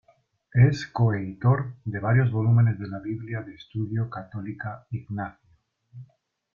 Es co-editor de varios volúmenes de la Biblia de Estudio Católica Ignacio.